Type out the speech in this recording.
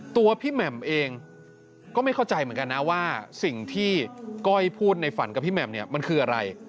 ตัวพี่แหม่มเองก็ไม่เข้าใจเหมือนกันนะว่าสิ่งที่ก้อยพูดในฝันกับพี่แหม่มเนี่ยมันคืออะไร